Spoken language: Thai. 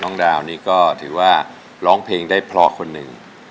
น้องดาวนี่ก็ถือว่าร้องเพลงได้พอคนหนึ่ง